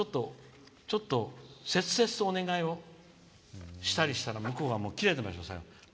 だから、ちょっと切々とお願いをしたりしたら向こうがキレてました。